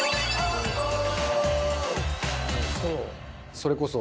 それこそ。